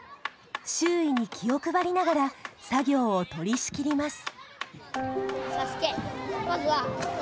周囲に気を配りながら作業を取りしきります。